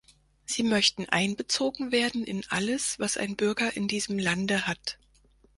Sie möchten einbezogen werden in alles, was ein Bürger in diesem Lande hat.